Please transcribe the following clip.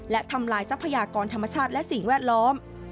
และทำลายทรัพยากรธรรมชาติและสิ่งแวดล้อม